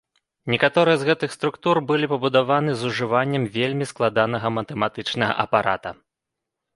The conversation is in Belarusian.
Некаторыя з гэтых структур былі пабудаваны з ужываннем вельмі складанага матэматычнага апарата.